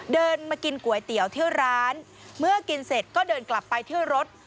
เดินมากินก๋วยเตี๋ยวเที่ยวร้านเมื่อกินเสร็จก็เดินกลับไปเที่ยวรถ